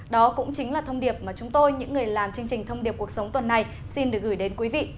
đó cũng chính là thông điệp mà chúng tôi những người làm chương trình thông điệp cuộc sống tuần này xin được gửi đến quý vị